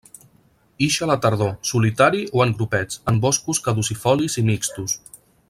Ix a la tardor, solitari o en grupets, en boscos caducifolis i mixtos.